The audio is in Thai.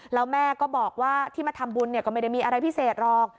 แล้วแม่ก็บอกว่าที่มาทำบุญก็ไม่ได้มีอะไรพิเศษหรอก